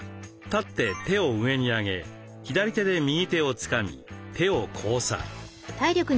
立って手を上に上げ左手で右手をつかみ手を交差。